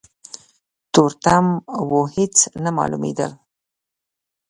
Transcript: تورتم و هيڅ نه مالومېدل.